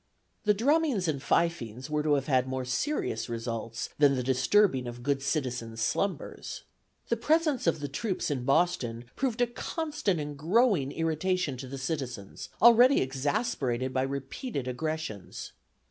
The drummings and fifings were to have more serious results than the disturbing of good citizens' slumbers. The presence of the troops in Boston proved a constant and growing irritation to the citizens, already exasperated by repeated aggressions.